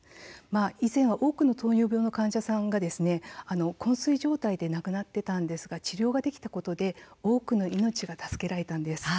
以前は多くの糖尿病の患者さんがこん睡状態で亡くなっていたんですが治療ができたことで多くの命が助けられたんです。